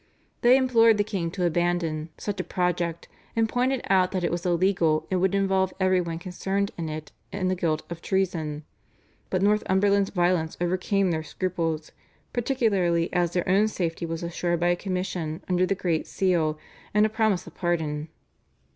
They implored the king to abandon such a project, and pointed out that it was illegal and would involve everyone concerned in it in the guilt of treason, but Northumberland's violence overcame their scruples, particularly as their own safety was assured by a commission under the great seal and a promise of pardon.